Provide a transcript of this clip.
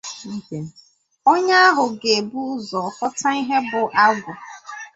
onye ahụ ga-ebu ụzọ ghọta ihe bụ agwụ